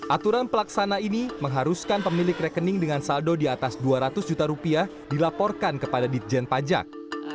aturan pelaksana ini mengharuskan pemilik rekening dengan saldo di atas dua ratus juta rupiah dilaporkan kepada ditjen pajak